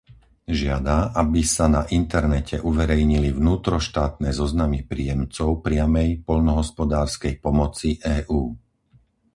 Žiada, aby sa na internete uverejnili vnútroštátne zoznamy príjemcov priamej poľnohospodárskej pomoci EÚ.